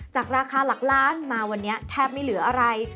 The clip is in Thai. ราคาหลักล้านมาวันนี้แทบไม่เหลืออะไร